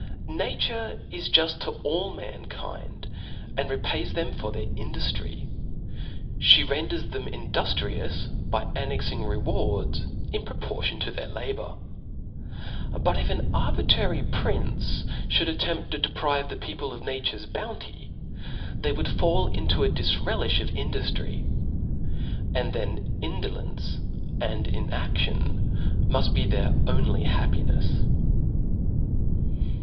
Nature is juft to allinankind, and repays them for their induftry : ftie renders them indultrious by annexing rewards in proportion to their la bour. But if an arbitrary prince fhould attempt to deprive people of nature's bouncy, they would fall into a dlfrelifli of induftry ; and then indolence and inadion muft; be their only happinefs.